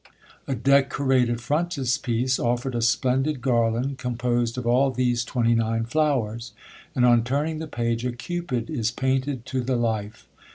A decorated frontispiece offered a splendid garland composed of all these twenty nine flowers; and on turning the page a cupid is painted to the life.